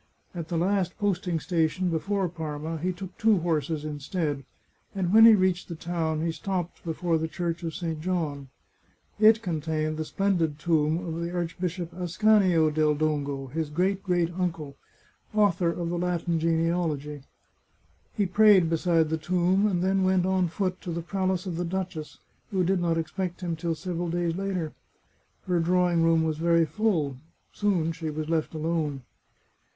At the last posting station before Parma he took two horses instead, and when he reached the town he stopped before the Church of St. John. It con tained the splendid tomb of the Archbishop Ascanio del Dongo, his great great uncle, author of the Latin Gene alogy. He prayed beside the tomb, and then went on foot to the palace of the duchess, who did not expect him till several days later. Her drawing room was very full. Soon she was left alone.